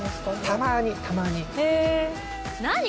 たまにたまに。